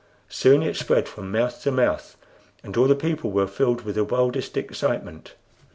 Soon it spread from mouth to mouth, and all the people were filled with the wildest excitement.